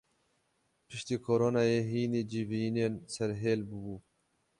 Piştî koronayê hînî civînên serhêl bûbû.